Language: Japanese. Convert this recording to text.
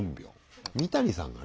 三谷さんがね